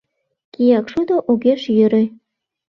Киякшудо огеш йӧрӧ...